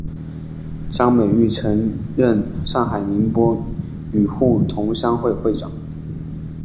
张美翊曾任上海宁波旅沪同乡会会长。